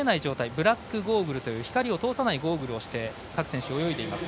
ブラックゴーグルという光を通さないゴーグルをして各選手、泳いでいます。